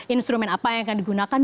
instrumen apa yang akan digunakan